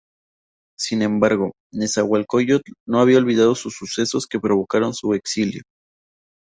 Sin embargo, Nezahualcóyotl no había olvidado los sucesos que provocaron su exilio.